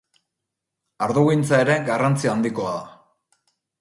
Ardogintza ere garrantzi handikoa da.